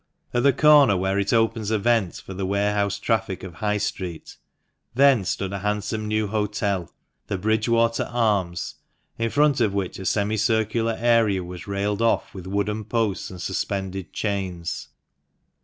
At the corner where it opens a vent for the warehouse traffic of High Street, then stood a handsome new hotel, the Bridge water Arms, in front of which a semi circular area was railed off with wooden posts and suspended chains.